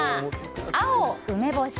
青、梅干し